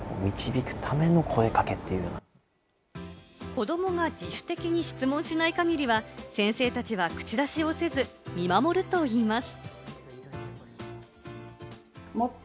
子どもが自主的に質問しない限りは、先生たちは口出しをせず、見守るといいます。